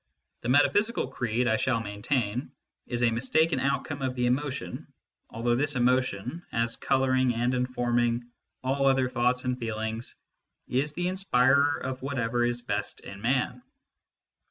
The meta 12 MYSTICISM AND LOGIC physical creed, I shall maintain, is a mistaken outcome of the emotion, although this emotion, as colouring and informing all other thoughts and feelings, is the inspirer of whatever is best in Man.